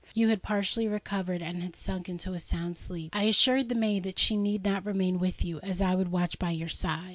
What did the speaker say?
You had partially recovered, and had sunk into a sound sleep. I assured the maid that she need not remain with you, as I would watch by your side.